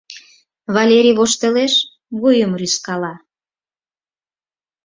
Валерий воштылеш, вуйым рӱзкала.